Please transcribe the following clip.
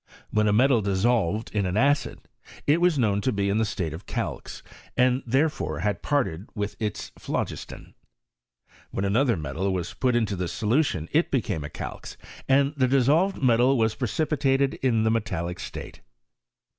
¥nien a metal diraolyed in an acid, it was known to be ia. the state of calx, and therefore had parted widi its phlogiston: when another metal was put into this sohition it became a calx, and die dissolyed metal was precipitated in the metallic state.